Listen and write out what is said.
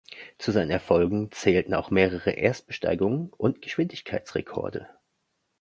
Zu seinen Erfolgen zählen auch mehrere Erstbesteigungen und Geschwindigkeitsrekorde.